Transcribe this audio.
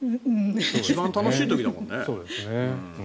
一番楽しい時だもんね。